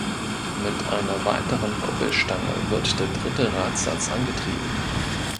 Mit einer weiteren Kuppelstange wird der dritte Radsatz angetrieben.